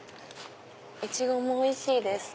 イチゴもおいしいです。